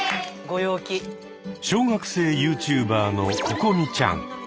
小学生ユーチューバーのここみちゃん。